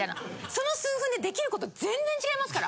その数分で出来ること全然違いますから！